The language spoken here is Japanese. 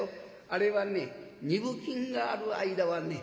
あれはね二分金がある間はね